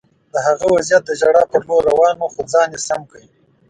د هغه وضعیت د ژړا په لور روان و خو ځان یې سم کړ